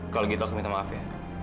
kalau gitu aku minta maaf ya